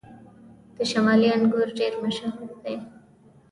د شمالي انګور ډیر مشهور دي